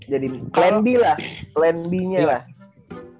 jadi plan b lah plan b nya lah